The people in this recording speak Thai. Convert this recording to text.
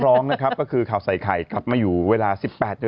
ร้องนะครับก็คือข่าวใส่ไข่กลับมาอยู่เวลาสิบแปดโดย